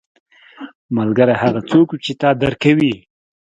ملګری هغه څوک وي چې تا درک کوي